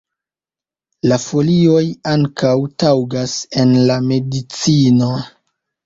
La folioj ankaŭ taŭgas en la medicino.